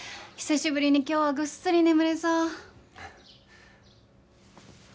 久しぶりに今日はぐっすり眠れそう。